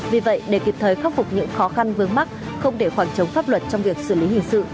vì vậy để kịp thời khắc phục những khó khăn vướng mắt không để khoảng trống pháp luật trong việc xử lý hình sự